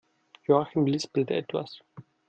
Joachim lispelt etwas.